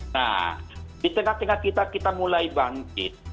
nah di tengah tengah kita kita mulai bangkit